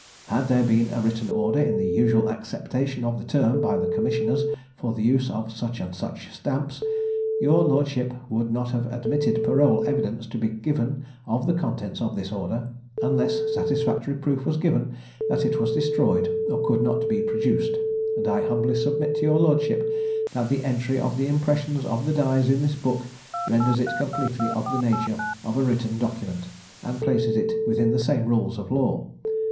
Had there been a written order in the usual acceptation of the term by the commissioners for the use of such and such stamps, your lordship would not have admitted parole evidence to be given of the contents of this order, unless satisfactory proof was given that it was destroyed, or could not be produced; and I humbly submit to your lordship, that the entry of the impressions of the dies in this book renders it completely of the nature of a written document, and places it within the same rules of law.